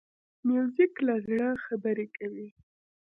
موزیک له زړه خبرې کوي.